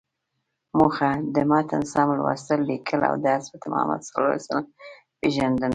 موخه: د متن سم لوستل، ليکل او د حضرت محمد ﷺ پیژندنه.